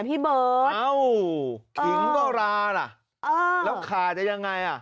พี่เบิร์ตเอ้าขิงก็ราล่ะแล้วขาจะยังไงอ่ะ